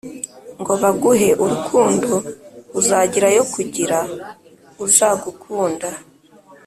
ngo baguhe urukundo uzagira ayo kugira uzagukunda."